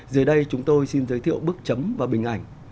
dưới đây chúng tôi xin giới thiệu bức chấm và bình ảnh